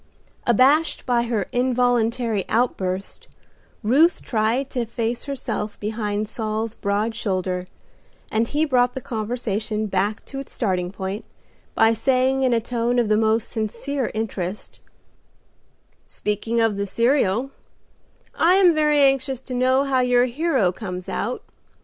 Abashed by her involuntary outburst, Ruth tried to efface herself behind Saul's broad shoulder, and he brought the conversation back to its starting point by saying in a tone of the most sincere interest, "Speaking of the serial, I am very anxious to know how your hero comes out.